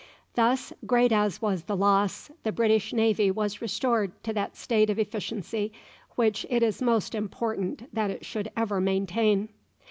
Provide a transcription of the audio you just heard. Thus, great as was the loss, the British Navy was restored to that state of efficiency which it is most important that it should ever maintain.